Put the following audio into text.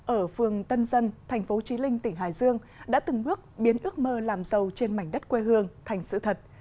ở phường tân dân thành phố trí linh tỉnh hải dương đã từng bước biến ước mơ làm giàu trên mảnh đất quê hương thành sự thật